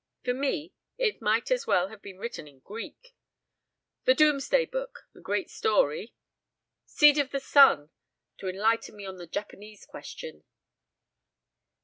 For me, it might as well have been written in Greek. 'The Domesday Book.' A great story. 'Seed of the Sun.' To enlighten me on the 'Japanese Question.'